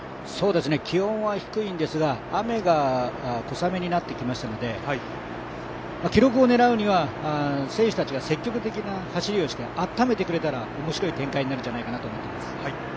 気温は低いんですが、雨が小雨になってきましたので、記録を狙うには選手たちが積極的な走りをしてあっためてくれたら面白い展開になるんじゃないかなと思っています。